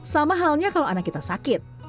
sama halnya kalau anak kita sakit